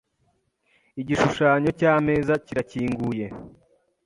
Igishushanyo cyameza kirakinguye .